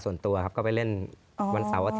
สนุนโดยอีซุสุข